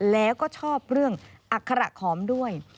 แล้วก็ชอบเรื่องอัคระขอมด้วย